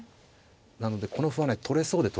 なのでこの歩はね取れそうで取れない。